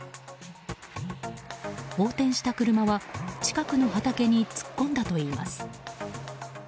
横転した車は近くの畑に突っ込んだといいます。